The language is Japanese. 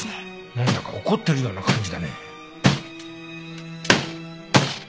なんだか怒ってるような感じだね。